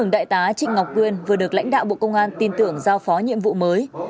đại tá trịnh ngọc quyên vừa được lãnh đạo bộ công an tin tưởng giao phó nhiệm vụ mới